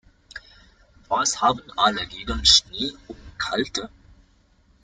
Was haben alle gegen Schnee und Kälte?